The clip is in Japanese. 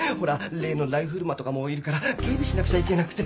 例のライフル魔とかもいるから警備しなくちゃいけなくて。